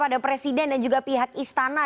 pada presiden dan juga pihak istana